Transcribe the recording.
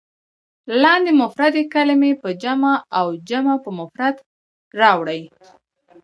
لاندې مفردې کلمې په جمع او جمع په مفرد راوړئ.